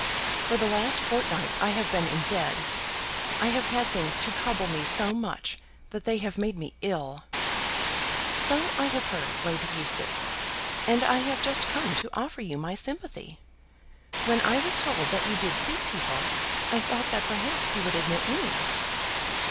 For the last fortnight I have been in bed. I have had things to trouble me so much that they have made me ill." "So I have heard, Lady Eustace, and I have just come to offer you my sympathy. When I was told that you did see people, I thought that perhaps you would admit me."